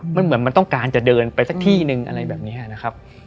มันเหมือนมันต้องการจะเดินไปสักที่นึงอะไรแบบนี้นะครับ